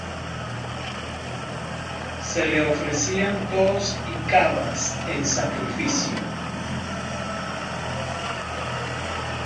Se le ofrecían toros y cabras en sacrificio.